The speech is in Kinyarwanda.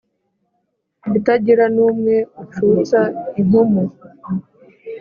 Itagira n' umwe ucutsa impumu